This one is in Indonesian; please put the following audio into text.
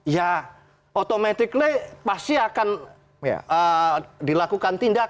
ya automatically pasti akan dilakukan tindakan